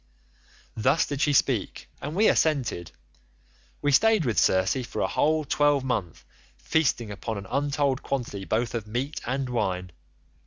"Thus did she speak and we assented. We stayed with Circe for a whole twelvemonth feasting upon an untold quantity both of meat and wine.